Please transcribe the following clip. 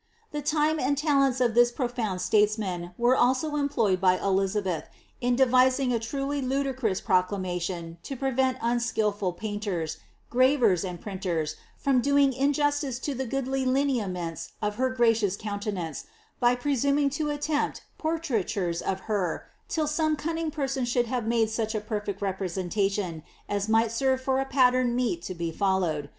The ume and laleiiis of this profound statesman were also employed by Elizabeth in devising a truly ludicrous proclamation lo prevent un skilful painters, gravers, and printers from doing injustice to the goodly lineaments of her gracious rmmtenance, by presuming lo attempt por iTBiture* of her till aome cunning person should have made such a per fect representation as might serve foi a pattern meet to be followed.